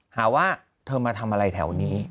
หาว่าเธอมาทำอะไรแถวนี้